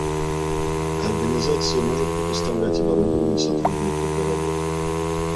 Организация может не поставлять оборудование сотруднику для работы